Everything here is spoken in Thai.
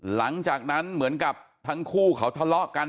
หลังจากนั้นเหมือนกับทั้งคู่เขาทะเลาะกัน